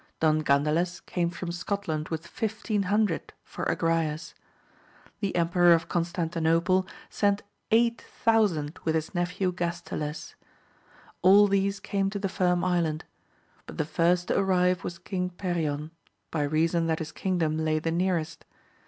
Don Gandales came from Scotland with fifteen hundred for Agrayes. The Emperor of Con stantinople sent eight thousand with his nephew Gas tiles. All these came to the Firm Island; but the first to arrive was ^ King Perion, by reason that his kingdom lay the nearest.